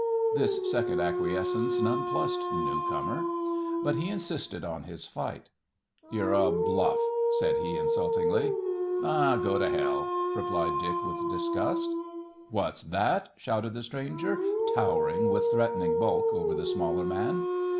This second acquiescence nonplussed the newcomer. But he insisted on his fight. "You're a bluff!" said he, insultingly. "Ah! go to hell!" replied Dick with disgust. "What's that?" shouted the stranger, towering with threatening bulk over the smaller man.